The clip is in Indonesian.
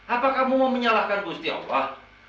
apa kamu mau menyalahkan busti allah